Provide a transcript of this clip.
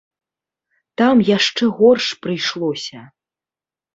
Там яшчэ горш прыйшлося.